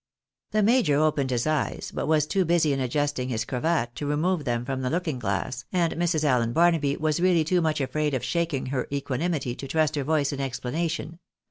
The major opened his eyes, but was too busy in adjusting hi* cravat to remove them from the looking glass, and Mrs. Allen Barnaby was really too much afraid of shaking her equanimity to trust her voice in explanation.